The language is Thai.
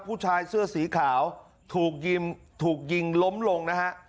ผู้ชายเสื้อสีขาวถูกยิมถูกยิงล้มลงนะฮะ